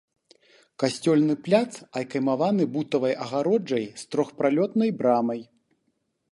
Касцёльны пляц акаймаваны бутавай агароджай з трохпралётнай брамай.